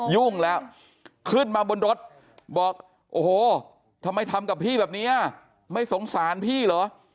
ยุ่งแล้วขึ้นมาบนรถบอกโอ้โหทำไมทำกับพี่แบบนี้ไม่สงสารพี่เหรอ